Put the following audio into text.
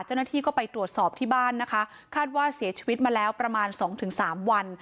เจ้าหน้าที่ก็ไปตรวจสอบที่บ้านนะคะคาดว่าเสียชีวิตมาแล้วประมาณสองถึงสามวัน